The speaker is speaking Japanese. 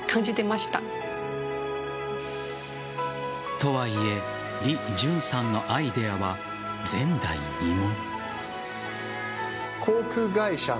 とはいえリ・ジュンさんのアイデアは前代未聞。